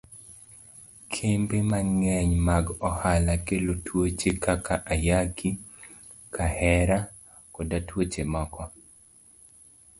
Kembe mang'eny mag ohala kelo tuoche kaka ayaki, kahera, koda tuoche ma moko.